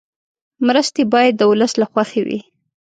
مرستې باید د ولس له خوښې وي.